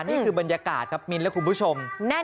นี่คือบรรยากาศครับมิ้นและคุณผู้ชม